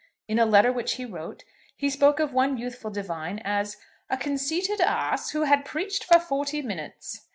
In a letter which he wrote he spoke of one youthful divine as "a conceited ass who had preached for forty minutes."